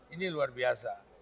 ini luar biasa